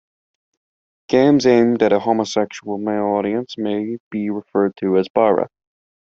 Games aimed at a homosexual male audience may be referred to as "bara".